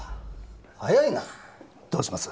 早いなどうします？